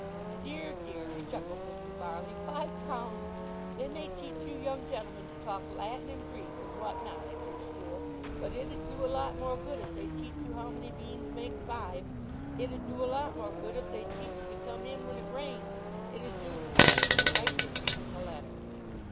"Dear, dear!" chuckled Mr. Barley, "five pounds! They may teach you young gentlemen to talk Latin and Greek and what not at your school, but it 'ud do a lot more good if they'd teach you how many beans make five; it 'ud do a lot more good if they'd teach you to come in when it rained, it 'ud do " Mike was reading the letter.